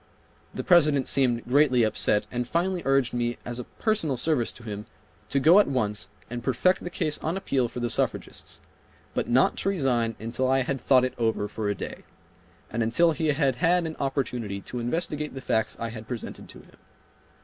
The President seemed greatly upset and finally urged me as a personal service to him to go at once and perfect the case on appeal for the suffragists, but not to resign until I had thought it over for a day, and until he had had an opportunity to investigate the facts I had presented to him.